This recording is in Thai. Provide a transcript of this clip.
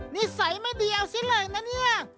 นิสัยไม่ดีเอาซิเลยนะเนี่ย